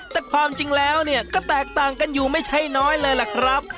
แต่ความจริงแล้วก็แตกต่างกันอยู่ไม่ใช่น้อยเลยล่ะครับ